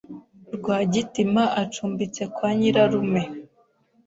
Rwagitima acumbitse kwa nyirarume.